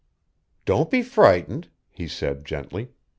"Don't be frightened," he said gently.